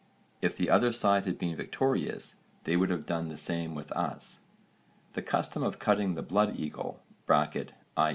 If the other side had been victorious they would have done the same with us.' The custom of cutting the blood eagle (i.